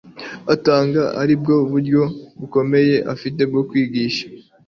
atanga ari bwo buryo bukomeye afite bwo kwigisha